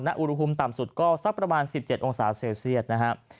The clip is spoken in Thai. อุณหภูมิต่ำสุดก็สักประมาณ๑๗องศาเซลเซียตนะครับ